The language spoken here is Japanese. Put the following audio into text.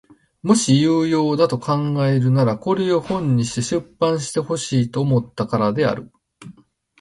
もし有用だと考えるならこれを本にして出版してほしいと思ったからである。